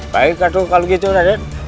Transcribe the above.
baik kato kalau gitu aden